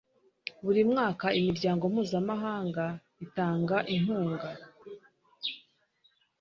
buri mwaka imiryango mpuzamahanga itanga inkunga